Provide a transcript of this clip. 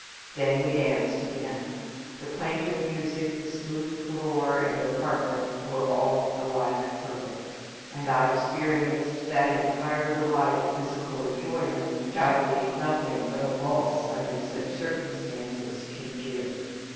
Then we danced again. The plaintive music, the smooth floor, and the partner were all alike perfect, and I experienced that entire delight of physical enjoyment which I believe nothing but a valse under such circumstances can give.